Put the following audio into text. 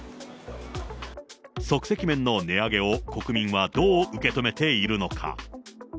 即席麺の値上げを国民はどう受け止めているのか。